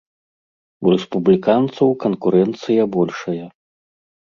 У рэспубліканцаў канкурэнцыя большая.